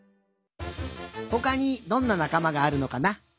ほかにどんななかまがあるのかな？